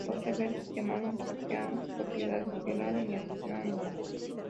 Los rebeldes quemaron, saquearon propiedades, violaron y asesinaron blancos.